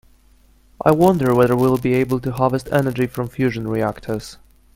I wonder whether we will be able to harvest energy from fusion reactors.